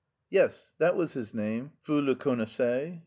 "Yes, that was his name. _Vous le connaissez?